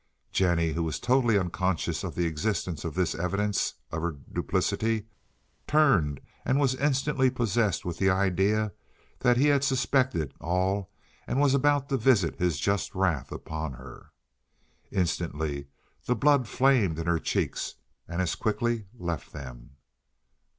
Jennie, who was totally unconscious of the existence of this evidence of her duplicity, turned, and was instantly possessed with the idea that he had suspected all and was about to visit his just wrath upon her. Instantly the blood flamed in her cheeks and as quickly left them.